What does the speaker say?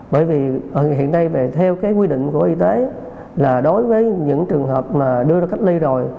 bởi vì hiện nay về theo cái quy định của y tế là đối với những trường hợp mà đưa ra cách ly rồi